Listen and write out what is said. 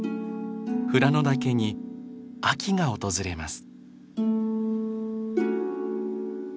富良野岳に秋が訪れます。